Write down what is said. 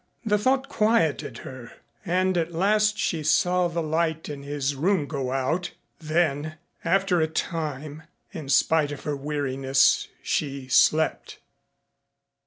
The thought quieted her, and at last she saw the light in his room go out, then, after a time, in spite of her weariness, she slept.